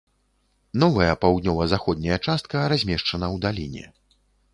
Новая, паўднёва-заходняя частка размешчана ў даліне.